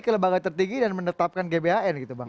ke lembaga tertinggi dan menetapkan gbhn